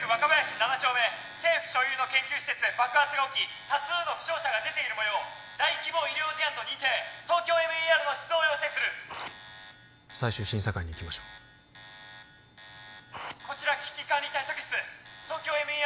７丁目政府所有の研究施設で爆発が起き多数の負傷者が出ているもよう大規模医療事案と認定ＴＯＫＹＯＭＥＲの出動を要請する最終審査会に行きましょうこちら危機管理対策室ＴＯＫＹＯＭＥＲ